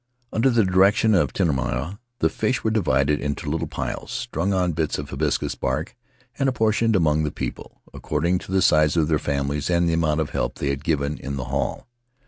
Under the Faery Lands of the South Seas direction of Tinomana the fish were divided into little piles, strung on bits of hibiscus bark, and apportioned among the people, according to the size of their families and the amount of help they had given in the haul.